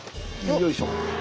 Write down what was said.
よいしょ。